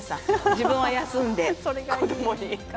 自分は休んで、子どもに。